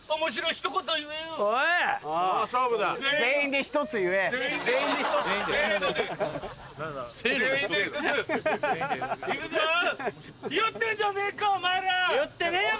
・ひよってねえよ！